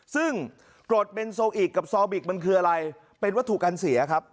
ซึ่งกรดเบนโซอิกกับซอบิกมันคืออะไรเป็นวัตถุการเสียครับ